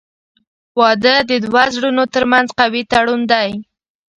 • واده د دوه زړونو ترمنځ قوي تړون دی.